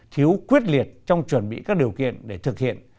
thiếu quyết liệt trong chuẩn bị các điều kiện để thực hiện